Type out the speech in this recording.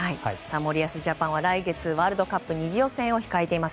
森保ジャパンは来月ワールドカップ２次予選を控えています。